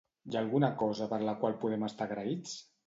Hi ha alguna cosa per la qual podem estar agraïts?